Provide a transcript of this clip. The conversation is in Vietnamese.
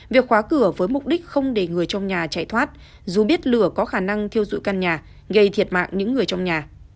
việc khóa cửa với mục đích không để người trong nhà chạy thoát dù biết lửa có khả năng thiêu dụi căn nhà gây thiệt mạng những người trong nhà